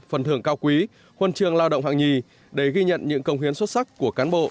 phần thưởng cao quý huân trường lao động hạng nhì để ghi nhận những công hiến xuất sắc của cán bộ